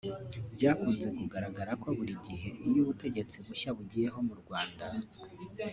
Byakunze kugaragara ko buri gihe iyo ubutegetsi bushya bugiyeho mu Rwanda